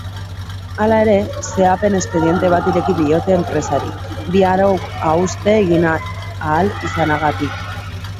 Hala ere, zehapen-espediente bat ireki diote enpresari bi arau-hauste egin ahal izanagatik.